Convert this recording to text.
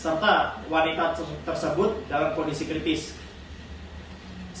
selanjutnya jenazah bayi tersebut kemudian dibawa pulang oleh pria berinisial s